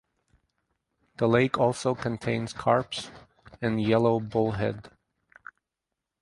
The lake also contains carps and yellow bullhead.